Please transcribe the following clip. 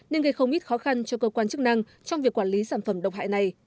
nên gây không ít khó khăn cho cơ quan chức năng trong việc quản lý sản phẩm độc hại này